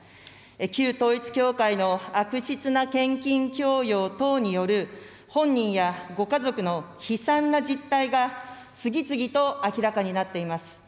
旧統一教会の悪質な献金強要等による本人や、ご家族の悲惨な実態が、次々と明らかになっています。